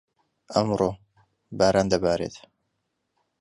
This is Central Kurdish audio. ئەمڕۆ، باران دەبارێت.